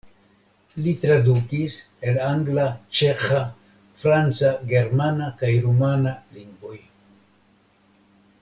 Li tradukis el angla, ĉeĥa, franca, germana kaj rumana lingvoj.